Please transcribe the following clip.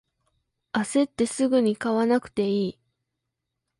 あせってすぐに買わなくていい